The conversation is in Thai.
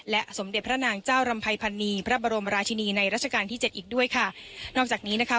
สมเด็จพระนางเจ้ารำภัยพันนีพระบรมราชินีในรัชกาลที่เจ็ดอีกด้วยค่ะนอกจากนี้นะคะ